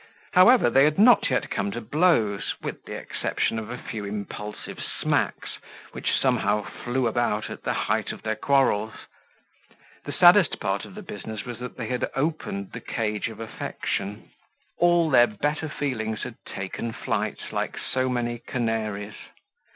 However, they had not yet come to blows, with the exception of a few impulsive smacks, which somehow flew about at the height of their quarrels. The saddest part of the business was that they had opened the cage of affection; all their better feelings had taken flight, like so many canaries.